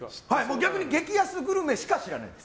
逆に激安グルメしか知らないです。